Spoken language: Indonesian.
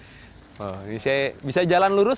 oh ini saya bisa jalan lurus